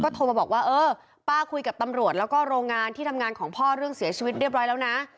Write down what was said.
โทรมาบอกว่าเออป้าคุยกับตำรวจแล้วก็โรงงานที่ทำงานของพ่อเรื่องเสียชีวิตเรียบร้อยแล้วนะ